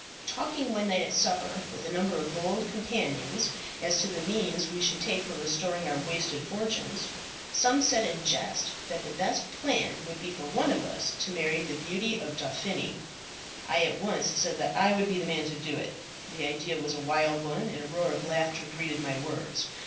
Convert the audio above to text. "Talking one night at supper with a number of bold companions, as to the means we should take for restoring our wasted fortunes, some said in jest that the best plan would be for one of us to marry the beauty of Dauphiny. I at once said that I would be the man to do it; the ideas was a wild one, and a roar of laughter greeted my words.